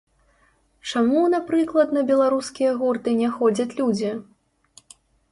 Чаму, напрыклад, на беларускія гурты не ходзяць людзі?